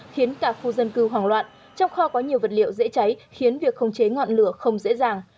khiến cả khu dân cư hoảng loạn trong kho có nhiều vật liệu dễ cháy khiến việc khống chế ngọn lửa không dễ dàng